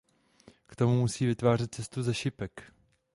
K tomu musí vytvářet cestu z šipek.